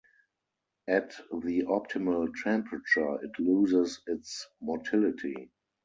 At the optimal temperature, it loses its motility.